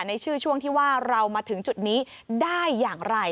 ในชื่อช่วงที่ว่าเรามาถึงจุดนี้ได้อย่างไร